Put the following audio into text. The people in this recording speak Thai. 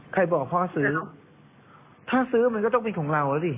บอกพ่อซื้อถ้าซื้อมันก็ต้องเป็นของเราแล้วสิ